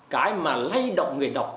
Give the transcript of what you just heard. cái mà lây động người đọc